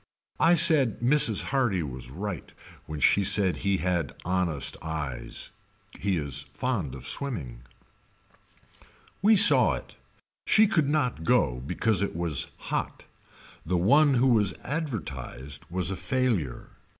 I said Mrs. Hardy was right when she said he had honest eyes. He is fond of swimming. We saw it. She could not go because it was hot. The one who was advertised was a failure.